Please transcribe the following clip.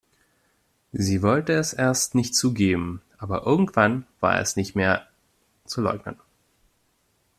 Sie wollte es erst nicht zugeben, aber irgendwann war es nicht mehr zu leugnen.